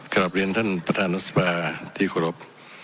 กลับเรียนท่านประธานศัพท์ที่โขลบ